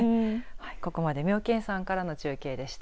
ここまで妙見山からの中継でした。